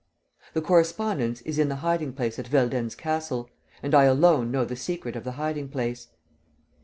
"The correspondence is in the hiding place at Veldenz Castle; and I alone know the secret of the hiding place."